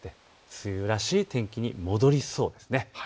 梅雨らしい天気に戻りそうです。